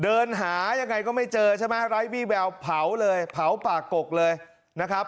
เดินหายังไงก็ไม่เจอใช่ไหมไร้วี่แววเผาเลยเผาป่ากกเลยนะครับ